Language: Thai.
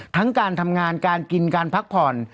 ทั้งการทำงานการกินการพักผ่อน